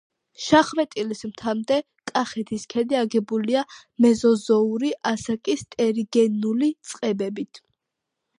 შახვეტილის მთამდე კახეთის ქედი აგებულია მეზოზოური ასაკის ტერიგენული წყებებით.